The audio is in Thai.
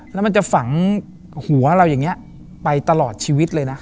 แล้วมันจะฝังหัวเราอย่างนี้ไปตลอดชีวิตเลยนะ